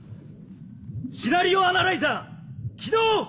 シナリオ・アナライザー起動！